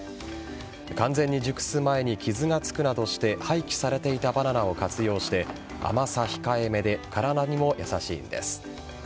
完全に熟す前に傷がつくなどして廃棄されていたバナナを活用して甘さ控え目で体にも優しいんです。